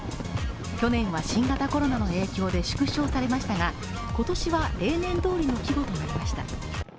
去年は新型コロナの影響で縮小されましたが、今年は例年どおりの規模となりました。